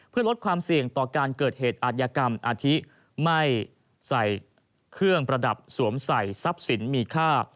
เพื่อลดความเสี่ยงต่อการเกิดเหตุอาทยากรรมอาทิไม่ใส่เครื่องประดับสวมใส่ทรัพย์สินมีค่า